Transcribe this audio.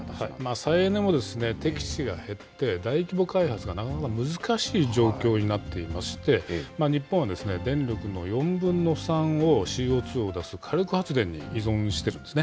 再エネも適地が減って、大規模開発がなかなか難しい状況になっていまして、日本は電力の４分の３をＣＯ２を出す火力発電に依存しているんですね。